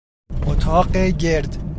اتاق گرد